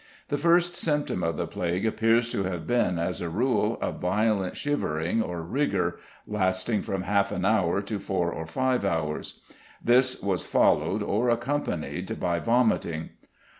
The first symptom of the plague appears to have been, as a rule, a violent shivering or rigor, lasting from half an hour to four or five hours. This was followed or accompanied by vomiting.